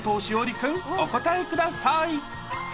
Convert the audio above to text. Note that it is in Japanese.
君、お答えください。